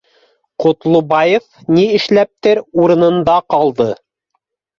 Ҡотлобаев ни эшләптер урынында ҡалды